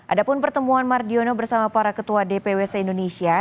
ada pun pertemuan mardiono bersama para ketua dpw se indonesia